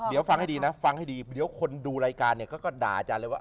เดี๋ยวฟังให้ดีนะคนดูรายการก็ด่าอาจารย์เลยว่า